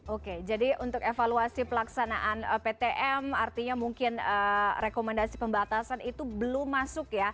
oke jadi untuk evaluasi pelaksanaan ptm artinya mungkin rekomendasi pembatasan itu belum masuk ya